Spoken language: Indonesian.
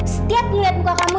setiap liat muka kamu